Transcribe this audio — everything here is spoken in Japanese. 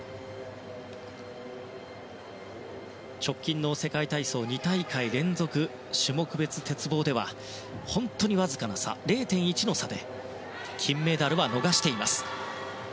直近の世界体操２大会連続種目別鉄棒では本当にわずかな差、０．１の差で金メダルは逃しています。